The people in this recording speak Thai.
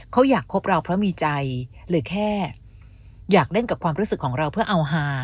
เขาอยากคบเราเพราะมีใจหรือแค่อยากเล่นกับความรู้สึกของเราเพื่อเอาหา